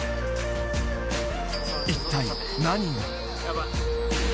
一体何が？